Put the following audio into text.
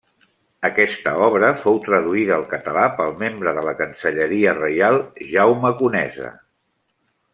Aquesta obra fou traduïda al català pel membre de la Cancelleria reial Jaume Conesa.